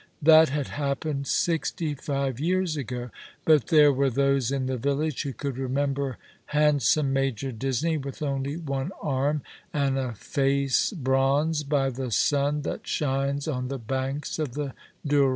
That had happened sixty five years ago ; but there were those in the village who could remember hand some Major Disney, with only one arm, and a face bronzed by the sun that shines on the banks of the Douro.